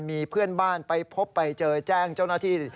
มีเพื่อนบ้านไปพบไปเจอแจ้งเจ้าหน้าที่